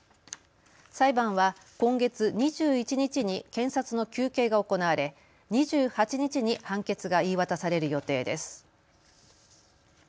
裁判は今月２１日に検察の求刑が行われ、２８日に判決が言い渡される予定です。